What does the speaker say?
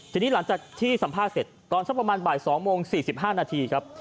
ทีนี้หลังจากที่สัมภาษณ์เสร็จตอนสักประมาณบ่าย๒โมง๔๕นาทีครับ